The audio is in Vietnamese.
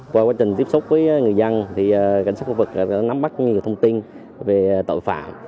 qua quá trình tiếp xúc với người dân thì cảnh sát khu vực đã nắm bắt nhiều thông tin về tội phạm